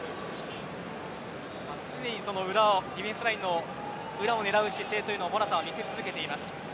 常に、その裏をディフェンスラインの裏を狙う姿勢というのはモラタは見せ続けています。